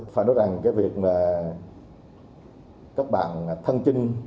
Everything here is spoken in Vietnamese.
phải nói rằng cái việc mà các bạn thân chinh